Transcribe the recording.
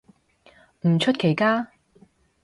唔出奇嘅